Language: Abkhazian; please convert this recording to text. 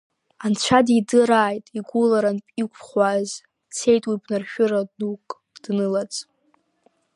Анцәа дидырааит игәыларантә иқәхәааз, дцеит уи бнаршәыра дук днылаӡ.